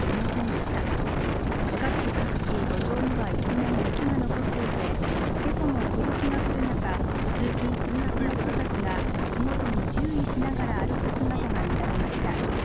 しかし各地路上には一面雪が残っていてけさも小雪が降る中通勤通学の人たちが足元に注意しながら歩く姿が見られました